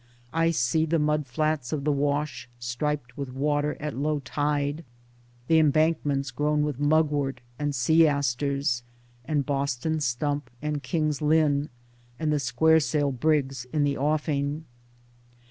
I see the mud flats of the Wash striped with water at low tide, the em bankments grown with mugwort and sea asters, and Boston Stump and King's Lynn, and the squaresail brigs in the offing.